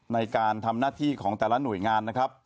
ในการทำหน้าที่ของแต่ละหน่วยงานนะครับ